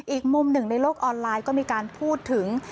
อีกมุมหนึ่งในโลกออนไลน์ก็มีการพูดถึง